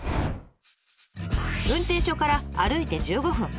運転所から歩いて１５分。